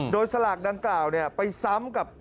โดยสลากดังกล่าวไปซ้ำกับ